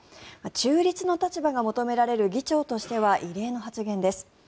中立の立場が求められる議長としては異例の発言です。